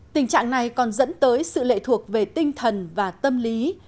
tình trạng này còn dẫn tới sự lệ thuộc về tinh thần và tâm lý